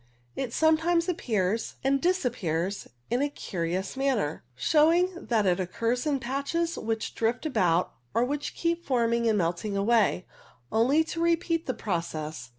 It sometimes appears and disappears in a curious manner, showing that it occurs in patches, which drift about or which keep forming and melting away, only to repeat the pro cess.